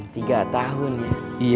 tiga tahun ya